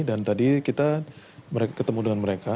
dan tadi kita ketemu dengan mereka